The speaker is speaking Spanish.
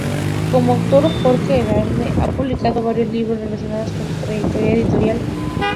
Como autor, Jorge Herralde ha publicado varios libros relacionados con su trayectoria editorial.